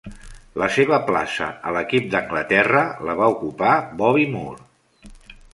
La seva plaça a l'equip d'Anglaterra la va ocupar Bobby Moore.